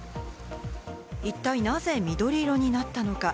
一体なぜ緑色になったのか。